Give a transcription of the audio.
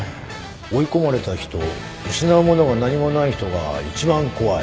追い込まれた人失うものが何もない人が一番怖い。